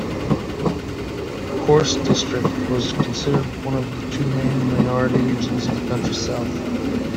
Korce District was considered one of two main minority regions of the country's south.